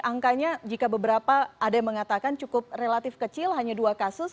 angkanya jika beberapa ada yang mengatakan cukup relatif kecil hanya dua kasus